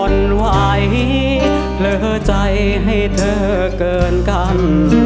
ไหวเผลอใจให้เธอเกินกัน